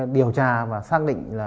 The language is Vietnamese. điều tra và xác định